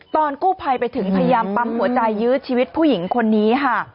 ตอนกู้ภัยไปถึงพยายามปั๊มหัวใจยื้อชีวิตผู้หญิงคนนี้ค่ะ